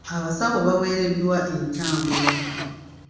Abasawo baweereddwa entambula.